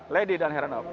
lady dan heranok